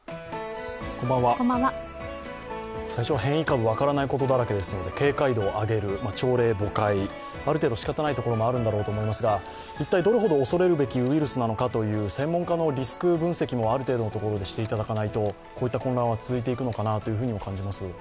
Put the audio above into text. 最初は変異株分からないことだらけですので朝令暮改、ある程度しかたないところもあるんでしょうが、一体どれほど恐れるべきウイルスなのかという専門家のリスク分析もある程度のところでしていただかないとこういった混乱は続いていくのかなと感じます。